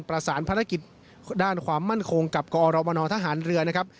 ประสานภารกิจด้านความมั่นคงกับกรมนทหารเรือนะครับ